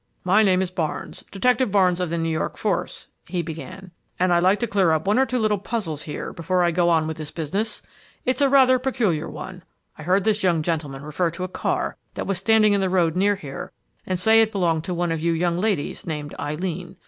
"My name is Barnes Detective Barnes of the New York force," he began, "and I'd like to clear up one or two little puzzles here before I go on with this business. It's a rather peculiar one. I heard this young gentleman refer to a car that was standing in the road near here and say it belonged to one of you young ladies named Eileen.